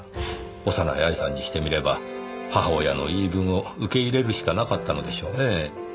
幼い愛さんにしてみれば母親の言い分を受け入れるしかなかったのでしょうねぇ。